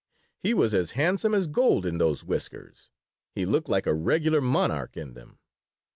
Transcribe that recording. "He was as handsome as gold in those whiskers. He looked like a regular monarch in them."